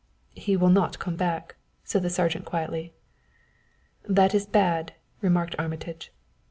"He will not come back," said the sergeant quietly. "That is bad," remarked Armitage.